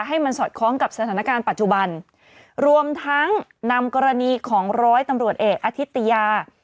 ให้มันสอดคล้องกับสถานการณ์ปัจจุบันรวมทั้งนำกรณีของร้อยตำรวจเอกอธิตยา